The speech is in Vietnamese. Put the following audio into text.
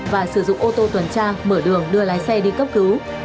và sử dụng ô tô tuần tra mở đường đưa lái xe đi cấp cứu